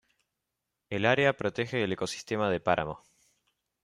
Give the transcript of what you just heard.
El área protege el ecosistema de páramo.